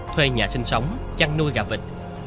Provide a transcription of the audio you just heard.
thuê nhà sinh sống chăn nuôi gà vịt